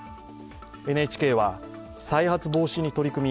ＮＨＫは、再発防止に取り組み